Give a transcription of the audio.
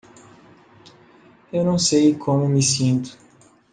Eu não sei como me sinto